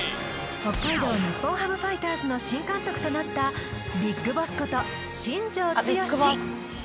北海道日本ハムファイターズの新監督となったＢＩＧＢＯＳＳこと新庄剛志